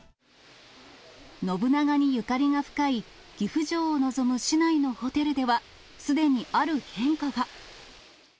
信長にゆかりが深い岐阜城を望む市内のホテルでは、すでにある変化が。